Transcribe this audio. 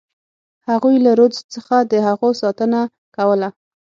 هغوی له رودز څخه د هغو ساتنه کوله.